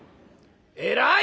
「偉い！